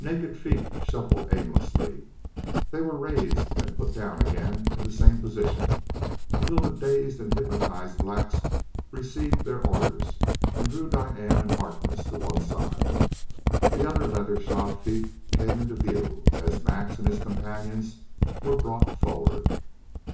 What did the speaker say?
Naked feet shuffled aimlessly; they were raised and put down again in the same position, until the dazed and hypnotized blacks received their orders and drew Diane and Harkness to one side. Then other leather shod feet came into view as Max and his companions were brought forward.